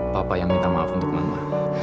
papa yang minta maaf untuk mama